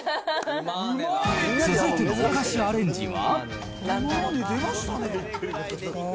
続いてのおかしアレンジは。